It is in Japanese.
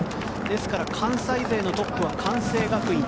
ですから関西勢のトップは関西学院。